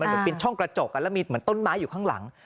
เหมือนเป็นช่องกระจกแล้วมีเหมือนต้นไม้อยู่ข้างหลัง